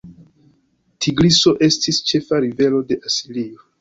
Tigriso estis ĉefa rivero de Asirio.